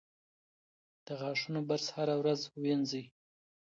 د غاښونو برس هره ورځ وینځئ.